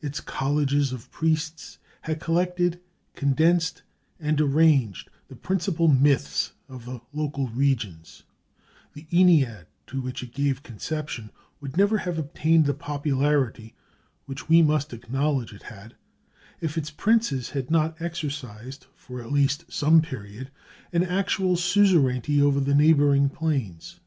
Its colleges of priests had collected, condensed, and arranged the principal myths of the local regions; the Ennead to which it gave conception would never have obtained the popularity which we must acknowledge it had, if its princes had not exercised, for at least some period, an actual suzerainty over the neighboring plains.